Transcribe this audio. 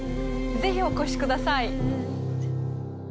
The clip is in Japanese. ぜひ、お越しください！